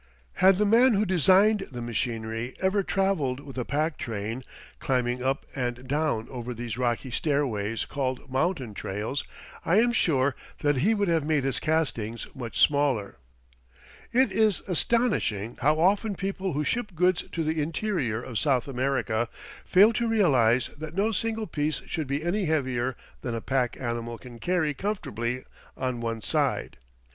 Had the man who designed the machinery ever traveled with a pack train, climbing up and down over these rocky stairways called mountain trails, I am sure that he would have made his castings much smaller. FIGURE Mr. Tucker on a Mountain Trail near Caraveli FIGURE The Main Street of Chuquibamba It is astonishing how often people who ship goods to the interior of South America fail to realize that no single piece should be any heavier than a pack animal can carry comfortably on one side.